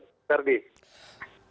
yang terperah adalah tiga orang